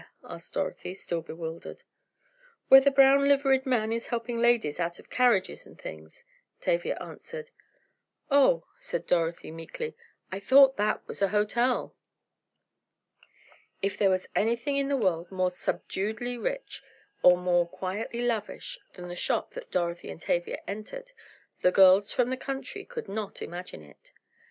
asked Dorothy, still bewildered. "Where the brown liveried man is helping ladies out of carriages and things," Tavia answered. "Oh," said Dorothy meekly, "I thought that was a hotel!" If there was anything in the world more subduedly rich, or more quietly lavish, than the shop that Dorothy and Tavia entered, the girls from the country could not imagine it.